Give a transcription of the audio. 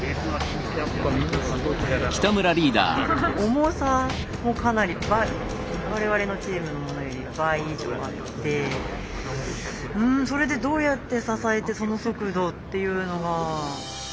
重さもかなり我々のチームのものより倍以上あってうんそれでどうやって支えてその速度っていうのが。